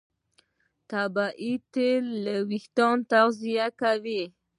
طبیعي تېل وېښتيان تغذیه کوي.